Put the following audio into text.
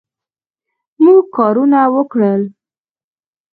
موږ کارونه وکړل